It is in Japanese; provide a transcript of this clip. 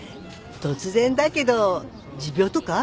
突然だけど持病とかある？